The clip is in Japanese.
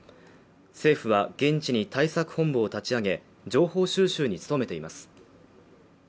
政府は現地に対策本部を立ち上げ情報収集に努めています